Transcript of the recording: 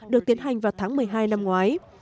được tiến hành vào tháng một mươi hai năm ngoái